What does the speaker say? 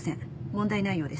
問題ないようです。